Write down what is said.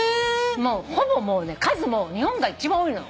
ほぼもうね数も日本が一番多いの。